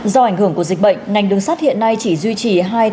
do ảnh hưởng của dịch bệnh ngành đường sát hiện nay chỉ duy trì hai tuyến